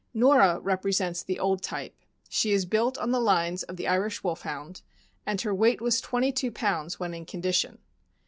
Norah represents the old type. She is built on the lines of the Irish Wolfhound, and her weight was twenty two pounds when in condition.